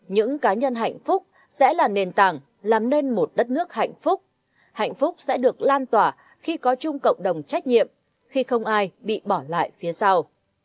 những cá nhân hạnh phúc sẽ là nền tảng làm nên một đất nước hạnh phúc hạnh phúc sẽ được lan tỏa khi có chung cộng đồng trách nhiệm khi không ai bị bỏ lại phía sau